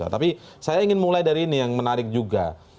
tapi saya ingin mulai dari ini yang menarik juga